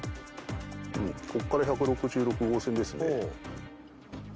ここから１６６号線ですね。